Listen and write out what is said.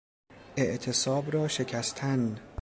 اعتصاب را شکستن